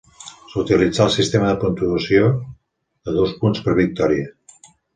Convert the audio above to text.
S'utilitzà el sistema de puntuació de dos punts per victòria.